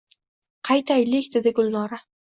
— Qaytaylik… — dedi Gulnora.